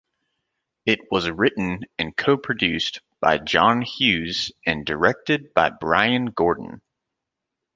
It was written and co-produced by John Hughes and directed by Bryan Gordon.